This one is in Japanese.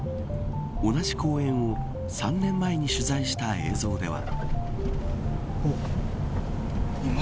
同じ公園を３年前に取材した映像では。